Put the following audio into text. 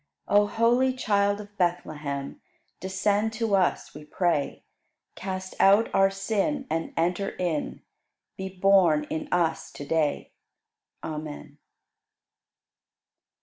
98. O holy Child of Bethlehem, Descend to us, we pray; Cast out our sin and enter in. Be born in us to day. Amen.